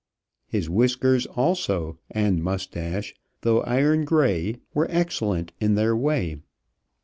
His whiskers, also, and mustache, though iron gray, were excellent in their way.